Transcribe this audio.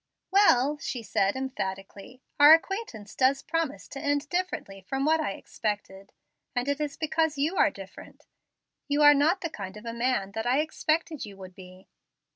"Well," she said emphatically, "our acquaintance does promise to end differently from what I expected; and it is because you are different. You are not the kind of a man that I expected you would be."